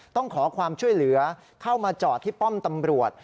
ต้องขอความช่วยเหลือเข้ามาจอดที่ป้อมตำรวจ